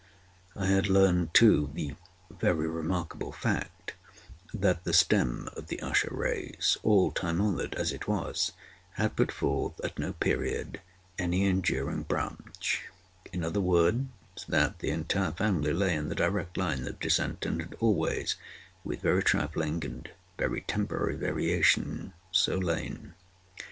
I had learned, too, the very remarkable fact, that the stem of the Usher race, all time honored as it was, had put forth, at no period, any enduring branch; in other words, that the entire family lay in the direct line of descent, and had always, with very trifling and very temporary variation, so lain.